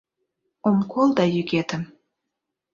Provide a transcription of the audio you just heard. Ом кол да йӱкетым